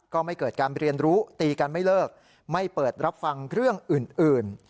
ก็ไม่เกิดการเรียนรู้ตีกันไม่เลิกไม่เปิดรับฟังเรื่องอื่น